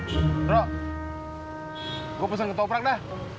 bro gue pesen ke to prak dah